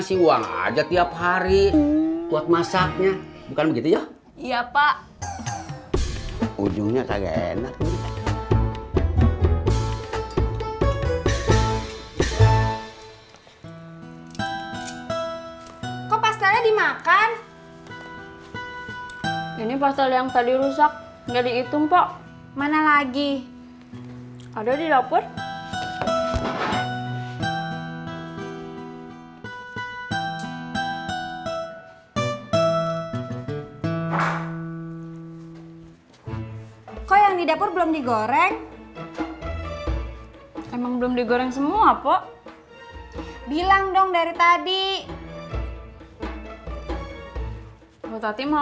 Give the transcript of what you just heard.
sampai jumpa di video selanjutnya